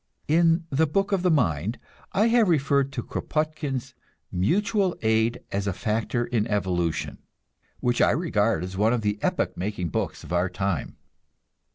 In the Book of the Mind, I have referred to Kropotkin's "Mutual Aid as a Factor in Evolution," which I regard as one of the epoch making books of our time.